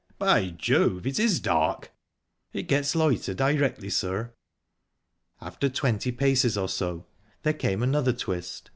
"By Jove, it is dark!" "It gets lighter directly, sir." After twenty paces or so, there came another twist.